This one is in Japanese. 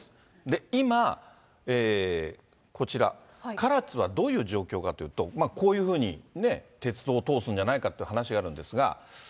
で、今、こちら、唐津はどういう状況かというと、こういうふうに鉄道を通すんじゃないかという話があるんですが。